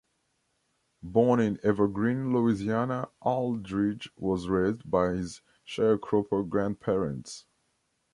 Born in Evergreen, Louisiana, Aldridge was raised by his sharecropper grandparents.